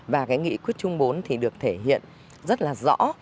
và cái nghị quyết chung bốn thì được thể hiện rất là rõ